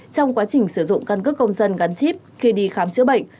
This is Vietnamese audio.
trong quá trình sử dụng căn cước công dân gắn chip khi đi khám chữa bệnh